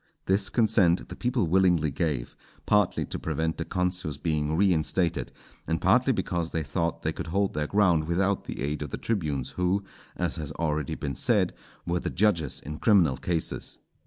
This consent the people willingly gave, partly to prevent the consuls being reinstated, and partly because they thought they could hold their ground without the aid of the tribunes, who, as has already been said, were the judges in criminal cases.